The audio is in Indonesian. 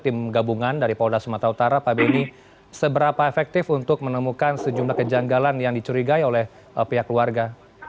tim gabungan dari polda sumatera utara pak benny seberapa efektif untuk menemukan sejumlah kejanggalan yang dicurigai oleh pihak keluarga